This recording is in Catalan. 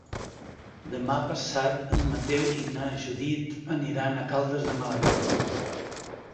Demà passat en Mateu i na Judit aniran a Caldes de Malavella.